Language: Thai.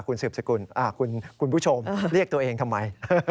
คุณสืบสกุลคุณผู้ชมเรียกตัวเองทำไม